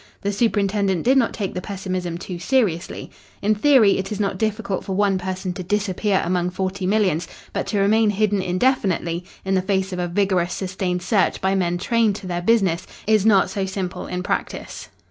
The superintendent did not take the pessimism too seriously. In theory it is not difficult for one person to disappear among forty millions, but to remain hidden indefinitely, in the face of a vigorous, sustained search by men trained to their business is not so simple in practice.